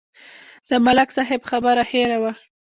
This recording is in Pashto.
د ملک صاحب خبره هېره وه.